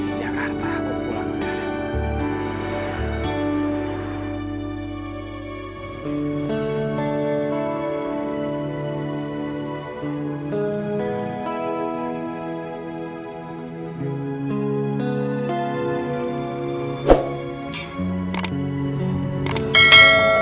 di jakarta aku pulang sekarang